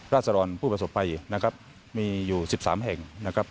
ราชรรณผู้ประสบไปมีอยู่๑๓แห่ง